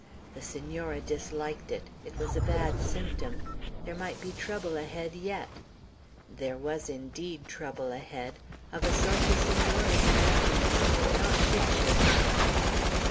The Senora disliked it. It was a bad symptom. There might be trouble ahead yet. There was, indeed, trouble ahead, of a sort the Senora's imaginings had not pictured.